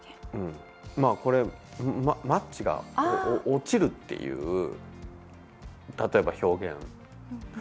マッチが落ちるっていう例えば、表現。